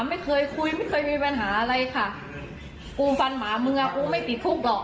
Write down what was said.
ไม่เคยคุยไม่เคยมีปัญหาอะไรค่ะกูฟันหมามึงอ่ะกูไม่ติดคุกหรอก